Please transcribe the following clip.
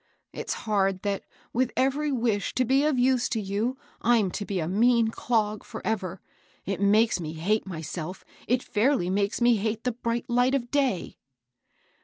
It's hard that, with every wish to be of use to you, I'm to be a mean clog forever I It makes me hate myself, — it fidrly makes me hate the bright light of day."